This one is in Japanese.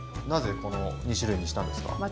なぜこの２種類にしたんですか？